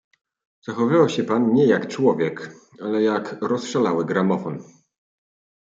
"Zachowywał się pan nie jak człowiek, ale jak rozszalały gramofon."